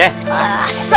terima kasih ya